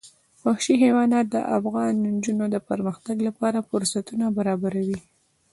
وحشي حیوانات د افغان نجونو د پرمختګ لپاره فرصتونه برابروي.